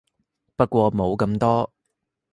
不過冇咁多